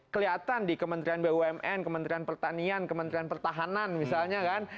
kelihatan di kementerian bumn kementerian pertanian kementerian pertahanan misalnya kan